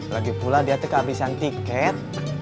lagipula dia tek abisan tiket